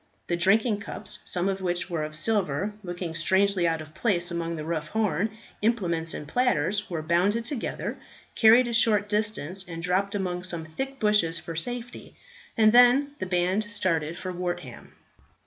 The drinking cups, some of which were of silver, looking strangely out of place among the rough horn implements and platters, were bundled together, carried a short distance and dropped among some thick bushes for safety; and then the band started for Wortham.